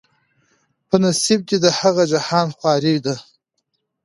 په نصیب دي د هغه جهان خواري ده